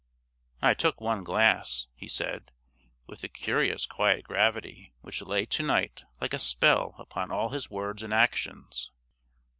"I took one glass," he said, with the curious quiet gravity which lay to night like a spell upon all his words and actions.